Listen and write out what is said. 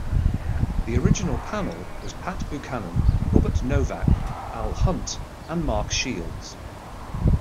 The original panel was Pat Buchanan, Robert Novak, Al Hunt, and Mark Shields.